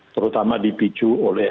terutama dipicu oleh